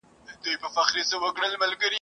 که چا پوښتنه درڅخه وکړه ..